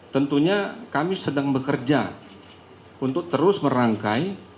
tentunya kami sedang bekerja untuk terus merangkai